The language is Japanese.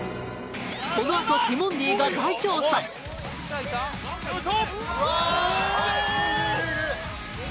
このあとティモンディが大調査よいしょ！